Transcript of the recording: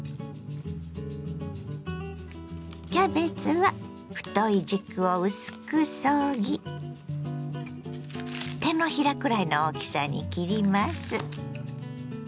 キャベツは太い軸を薄くそぎ手のひらくらいの大きさに切ります。